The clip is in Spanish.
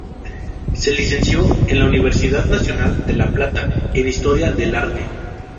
Se licenció en la Universidad Nacional de La Plata en Historia del Arte.